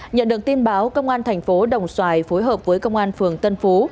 nhận được tin báo công an thành phố đồng xoài phối hợp với công an phường tân phú